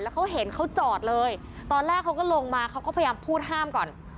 เขาเห็นเขาจอดเลยตอนแรกเขาก็ลงมาเขาก็พยายามพูดห้ามก่อน